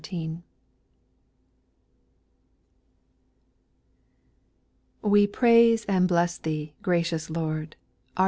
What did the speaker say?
T17E praise and bless Thee, gracious Lord, I T Our.